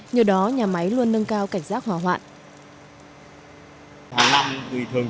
nhờ đó nhà máy luôn nâng cao cảnh giác hòa hoạn